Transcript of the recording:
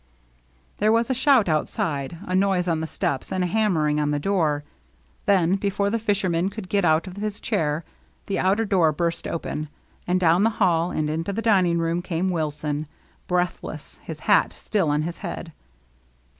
There was a shout outside, a noise on the steps, and a hammering on the door. Then before the fisherman could get out of his chair, the outer door burst open, and down the hall and into the dining room came Wilson, breath less, his hat still on his head.